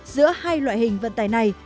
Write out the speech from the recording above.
giữa hai loại hình vận tài này